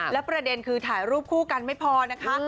และประเด็นคือถ่ายรูปคู่กันไม่พอนะคะ